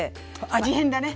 味変だね。